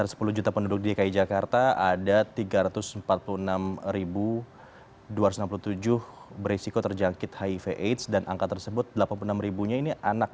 dari sepuluh juta penduduk dki jakarta ada tiga ratus empat puluh enam dua ratus enam puluh tujuh berisiko terjangkit hiv aids dan angka tersebut delapan puluh enam nya ini anak